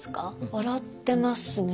笑ってますね。